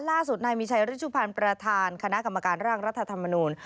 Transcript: ล่าสุดนายมีชัยฤชุพันธ์ประธานคณะกรรมการร่างรัฐธรรมนูล